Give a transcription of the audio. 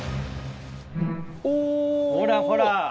ほらほら。